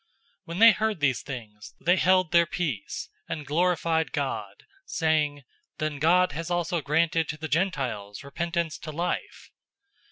011:018 When they heard these things, they held their peace, and glorified God, saying, "Then God has also granted to the Gentiles repentance to life!"